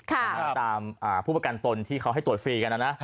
ตามผู้ประกันตนที่เขาให้ตรวจฟรีกันนะนะ